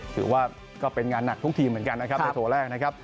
ถือว่าก็เป็นงานหนักทุกทีเหมือนกันในโถแรก